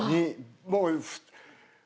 もう。